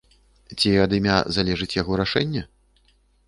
Ці ад імя залежыць яго рашэнне?